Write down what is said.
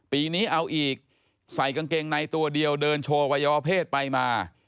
ปีนี้เอาอีกใส่กางเกงในตัวเดียวเดินโชว์วัยวะเพศไปมา